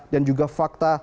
dan juga fakta